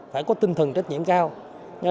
phải có tinh thần trách nhiệm cao